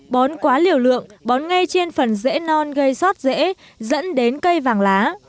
bón quá liều lượng bón ngay trên phần rễ non gây sót rễ dẫn đến cây vàng lá